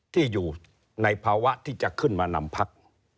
ที่อยู่ในภาวะที่จะขึ้นมานำพัก